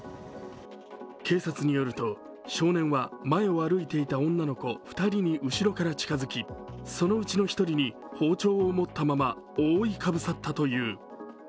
警察によると少年は前を歩いていた女の子２人に後ろから近づきそのうちの１人に包丁を持ったまま覆いかぶさったという。